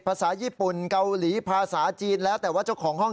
ภาษาญี่ปุ่นเกาหลีภาษาจีนแล้วแต่ว่าเจ้าของห้อง